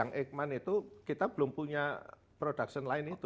yang eggman itu kita belum punya production line itu